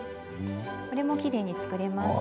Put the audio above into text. これもきれいに作れます。